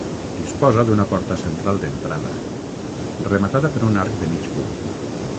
Disposa d'una porta central d’entrada, rematada per un arc de mig punt.